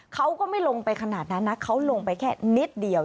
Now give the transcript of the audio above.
เขาก็ไม่ลงไปขนาดนั้นนะเขาลงไปแค่นิดเดียว